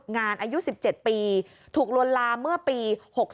ฝึกงานอายุ๑๗ปีถูกรวลลำเมื่อปี๖๒